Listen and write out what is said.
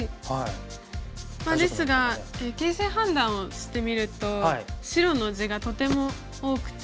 まあですが形勢判断をしてみると白の地がとても多くて。